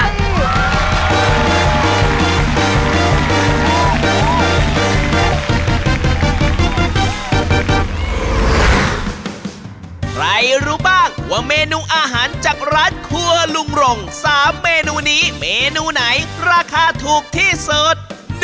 ใครรู้บ้างว่าเมนูอาหารจากร้านครัวลุงรง๓เมนูนี้เมนูไหนราคาถูกที่สุด